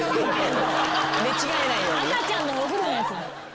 赤ちゃんのお風呂のやつ。